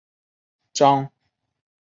张瓘是太原监军使张承业的侄子。